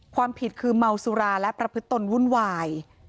ความผิดคือเมาสุราและประพฤติตนวุ่นวาย